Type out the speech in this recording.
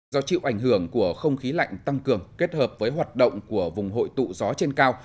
do chịu ảnh hưởng của không khí lạnh tăng cường kết hợp với hoạt động của vùng hội tụ gió trên cao